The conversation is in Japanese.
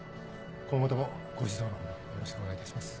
今後ともご指導のほどよろしくお願いいたします。